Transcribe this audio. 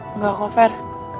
enggak kok fer